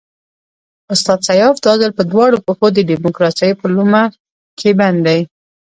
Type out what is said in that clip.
استاد سیاف دا ځل په دواړو پښو د ډیموکراسۍ په لومه کې بند دی.